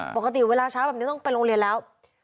ปกติเวลาเช้าแบบนี้ต้องไปโรงเรียนแล้ว